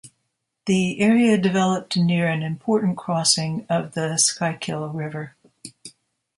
The area developed near an important crossing of the Schuylkill River.